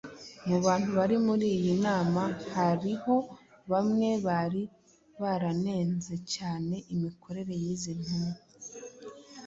Mu bantu bari muri iyi nama hariho bamwe bari baranenze cyane imikorere y’izi ntumwa